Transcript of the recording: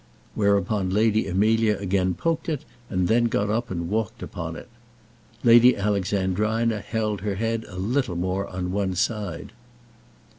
Whereupon Lady Amelia again poked it, and then got up and walked upon it. Lady Alexandrina held her head a little more on one side.